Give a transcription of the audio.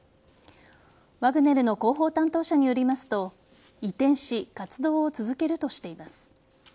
ワグネルの広報担当者によりますと移転し活動を続けるとしています。